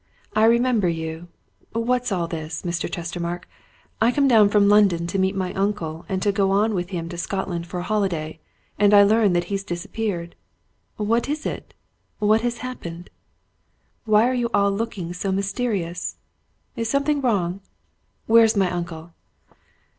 "I remember you. What's all this, Mr. Chestermarke? I come down from London to meet my uncle, and to go on with him to Scotland for a holiday, and I learn that he's disappeared! What is it? What has happened? Why are you all looking so mysterious? Is something wrong? Where is my uncle?"